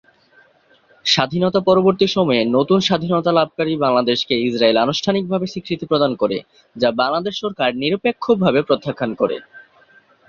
স্বাধীনতা পরবর্তী সময়ে নতুন স্বাধীনতা লাভকারী বাংলাদেশকে ইসরায়েল আনুষ্ঠানিকভাবে স্বীকৃতি প্রধান করে, যা বাংলাদেশ সরকার নিরপেক্ষভাবে প্রত্যাখ্যান করে।